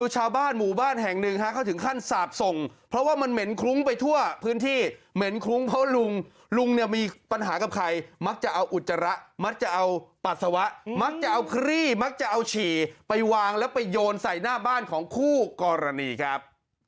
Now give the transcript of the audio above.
ชาวบ้านหมู่บ้านแห่งหนึ่งเขาถึงขั้นสาบส่งเพราะว่ามันเหม็นคลุ้งไปทั่วพื้นที่เหม็นคลุ้งเพราะลุงลุงเนี่ยมีปัญหากับใครมักจะเอาอุจจาระมักจะเอาปัสสาวะมักจะเอาคลี่มักจะเอาฉี่ไปวางแล้วไปโยนใส่หน้าบ้านของคู่กรณีครับ